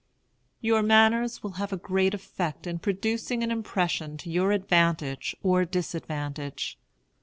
Your manners will have a great effect in producing an impression to your advantage or disadvantage.